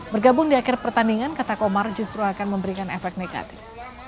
bergabung di akhir pertandingan kata komar justru akan memberikan efek negatif